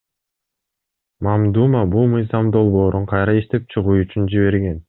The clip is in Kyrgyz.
Мамдума бул мыйзам долбоорун кайра иштеп чыгуу үчүн жиберген.